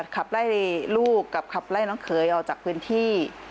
ขับไล่ลูกกับขับไล่น้องเขยออกจากพื้นที่